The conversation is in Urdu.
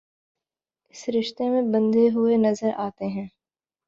اس رشتے میں بندھے ہوئے نظرآتے ہیں